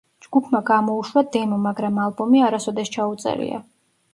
ჯგუფმა გამოუშვა დემო, მაგრამ ალბომი არასოდეს ჩაუწერია.